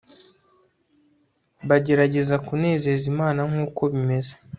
bagerageza kunezeza imana nkuko bimeze